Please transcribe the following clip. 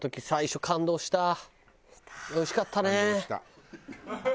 最初の感動した。